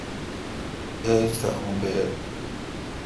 ایج تھ اوں بیگ۔